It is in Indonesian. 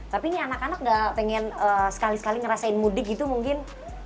tapi ini anak anak gak pengen sekali sekali ngerasain mudik gitu mungkin